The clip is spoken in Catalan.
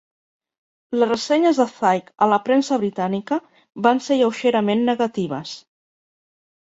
Les ressenyes de Zike a la premsa britànica van ser lleugerament negatives.